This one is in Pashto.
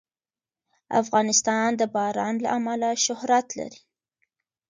افغانستان د باران له امله شهرت لري.